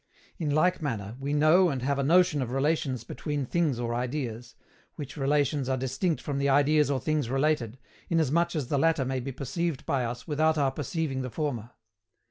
In like manner, we know and have a notion of relations between things or ideas which relations are distinct from the ideas or things related, inasmuch as the latter may be perceived by us without our perceiving the former.